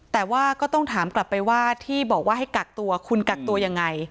แต่ว่าก็ต้องถามกลับไปว่าที่บอกว่าให้กักตัวคุณกักตัวยังไง